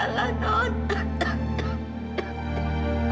huami lakukan ini semuanya untuk